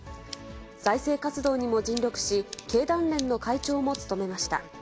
財政活動にも尽力し、経団連の会長も務めました。